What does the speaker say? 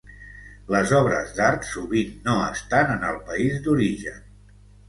Les obres d'art sovint no estan en el país d'origen.